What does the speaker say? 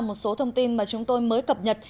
một số thông tin mà chúng tôi mới cập nhật